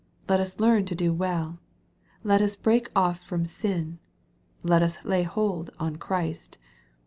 Let us learn to do well. Let us break off from sin. Let us lay hold on Christ.